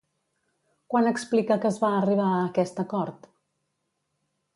Quan explica que es va arribar a aquest acord?